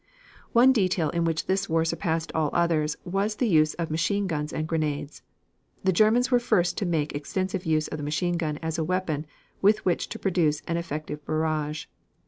One detail in which this war surpassed all others was in the use of machine guns and grenades. The Germans were first to make extensive use of the machine gun as a weapon with which to produce an effective barrage.